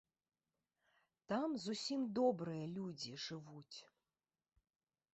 Там зусім добрыя людзі жывуць.